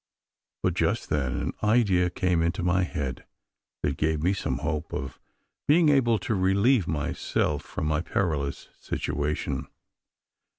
But just then an idea came into my head, that gave me some hope of being able to relieve myself from my perilous situation.